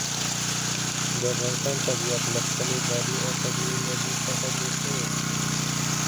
د افغانستان طبیعت له خپلې بادي او طبیعي انرژي څخه جوړ شوی دی.